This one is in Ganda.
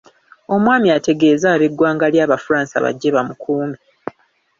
Omwami ategeeze ab'eggwanga lye Abafransa bajje bamukuume.